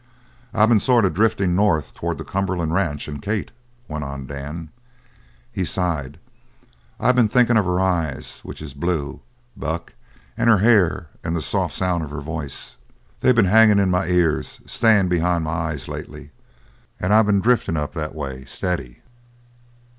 "I been sort of driftin' North towards the Cumberland Ranch and Kate," went on Dan. He sighed: "I been thinkin' of her eyes, which is blue, Buck, and her hair, and the soft sound of her voice. They been hangin' in my ears, stayin' behind my eyes, lately, and I been driftin' up that way steady."